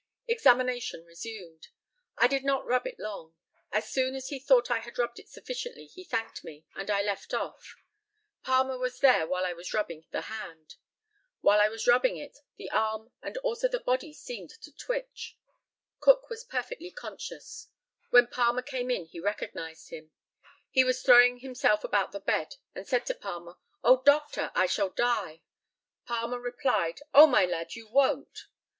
Examination resumed. I did not rub it long. As soon as he thought I had rubbed it sufficiently he thanked me, and I left off. Palmer was there while I was rubbing the hand. While I was rubbing it the arm and also the body seemed to twitch. Cook was perfectly conscious. When Palmer came in he recognized him. He was throwing himself about the bed, and said to Palmer, "Oh, doctor, I shall die." Palmer replied, "Oh, my lad, you won't!"